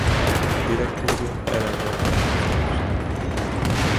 A Direktórium elrendelte a boncolást.